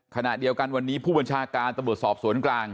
ขณะเดียวกันวันนี้ผู้บัญชาการตำรวจสอบสวนกลาง